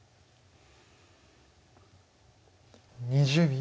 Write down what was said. ２０秒。